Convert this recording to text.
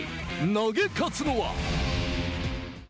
投げ勝つのは！